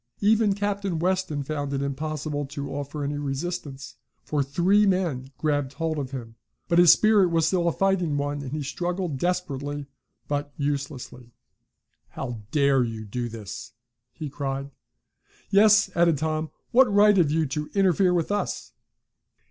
Even Captain Weston found it impossible to offer any resistance, for three men grabbed hold of him but his spirit was still a fighting one, and he struggled desperately but uselessly. "How dare you do this?" he cried. "Yes," added Tom, "what right have you to interfere with us?"